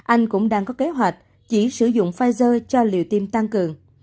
anh cũng đang có kế hoạch chỉ sử dụng pfizer cho liệu tim tăng cường